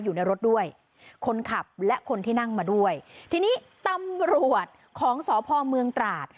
อยู่ในรถด้วยคนขับและคนที่นั่งมาด้วยทีนี้ตำรวจของสพเมืองตราด